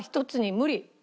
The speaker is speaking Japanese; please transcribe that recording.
無理。